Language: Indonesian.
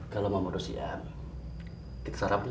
kalau mama udah siap kita sarap dulu